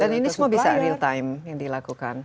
dan ini semua bisa real time yang dilakukan